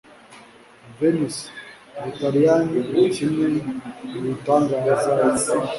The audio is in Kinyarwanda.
Venise, Ubutaliyani nikimwe mubitangaza isi.